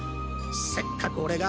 せっかく俺が。